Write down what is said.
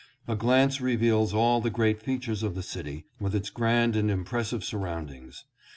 A glance reveals all the great features of the city, with its grand and impressive surroundings.